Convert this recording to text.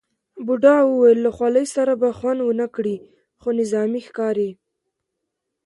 بوډا وویل له خولۍ سره به خوند ونه کړي، خو نظامي ښکاري.